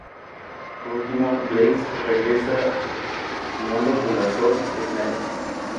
Por último, Blaze regresa a su mundo con las Sol Emeralds.